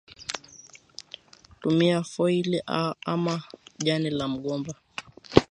tumia Foili ama jani la mgomba